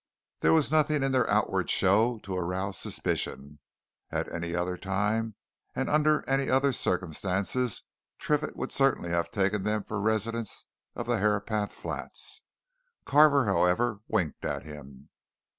There was nothing in their outward show to arouse suspicion at any other time, and under any other circumstances Triffitt would certainly have taken them for residents of the Herapath Flats. Carver, however, winked at him.